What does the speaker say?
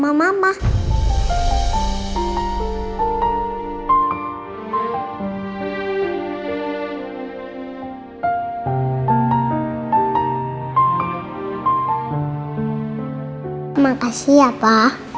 terima kasih ya pa